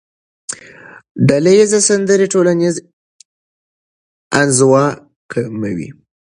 ډلهییزې سندرې ټولنیزه انزوا کموي.